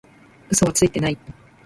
嘘はついてない